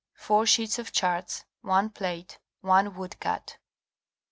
4 sheets of charts, one plate, one wood cut.